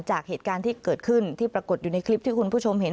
จากเหตุการณ์ที่เกิดขึ้นที่ปรากฏอยู่ในคลิปที่คุณผู้ชมเห็น